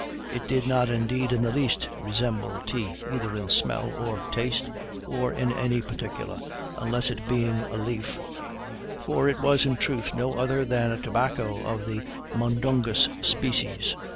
It did not indeed in the least resemble tea, either in smell or taste, or in any particular, unless in being a leaf; for it was in truth no other than a tobacco of the mundungus species.